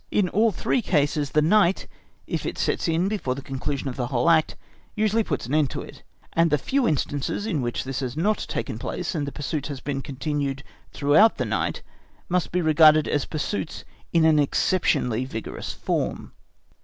In all three cases the night, if it sets in before the conclusion of the whole act, usually puts an end to it, and the few instances in which this has not taken place, and the pursuit has been continued throughout the night, must be regarded as pursuits in an exceptionally vigorous form.